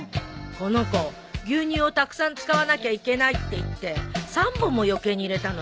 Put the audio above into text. この子牛乳をたくさん使わなきゃいけないって言って３本も余計に入れたのよ。